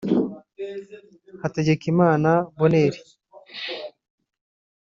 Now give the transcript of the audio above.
Hategekimana Bonheur